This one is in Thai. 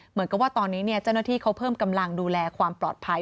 เหมือนกับว่าตอนนี้เจ้าหน้าที่เขาเพิ่มกำลังดูแลความปลอดภัย